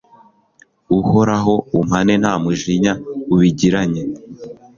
Uhoraho umpane nta mujinya ubigiranye